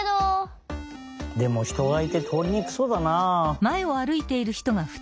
でもひとがいてとおりにくそうだなあ。